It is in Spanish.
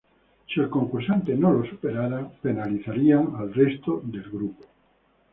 Si el concursante no lo superara, el resto del grupo sería penalizado.